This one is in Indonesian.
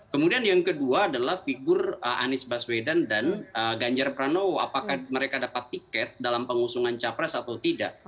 kemudian yang kedua adalah figur anies baswedan dan ganjar pranowo apakah mereka dapat tiket dalam pengusungan capres atau tidak